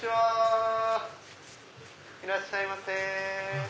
いらっしゃいませ。